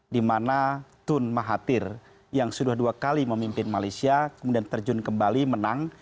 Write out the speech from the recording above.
dimana tun mahathir yang sudah dua kali memimpin malaysia kemudian terjun kembali menang